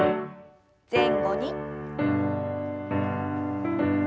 前後に。